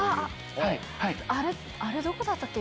あれ、どこだったっけ？